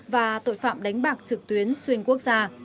và tội phạm đánh bạc trực tuyến xuyên quốc gia